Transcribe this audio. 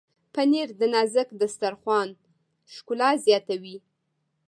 پنېر د نازک دسترخوان ښکلا زیاتوي.